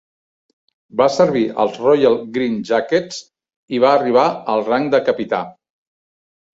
Va servir als Royal Green Jackets i va arribar al ranc de capità.